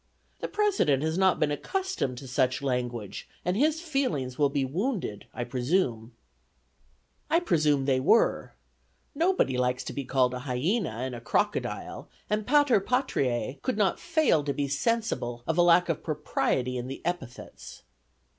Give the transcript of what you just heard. The President has not been accustomed to such language, and his feelings will be wounded, I presume." I presume they were. Nobody likes to be called a hyena and a crocodile, and Pater Patriae could not fail to be sensible of a lack of propriety in the epithets.